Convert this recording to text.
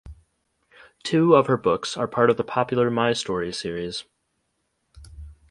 Two of her books are part of the popular My Story series.